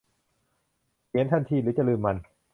เขียนทันทีหรือจะลืมมัน